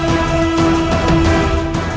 terima kasih nimas